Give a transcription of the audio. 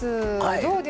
どうです？